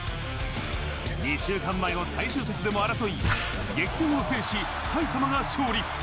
２週間前の最終節でも争い、激戦を制し、埼玉が勝利。